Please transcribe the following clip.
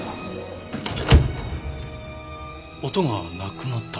音がなくなった。